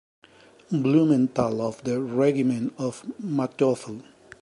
Blumenthal of the Regiment of Manteuffel.